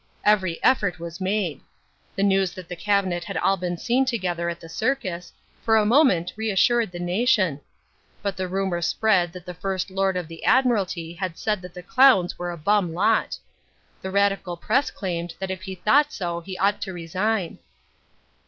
Every effort was made. The news that the Cabinet had all been seen together at the circus, for a moment reassured the nation. But the rumour spread that the First Lord of the Admiralty had said that the clowns were a bum lot. The Radical Press claimed that if he thought so he ought to resign.